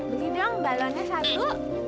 ini dong balonnya satu